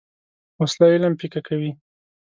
وسله علم پیکه کوي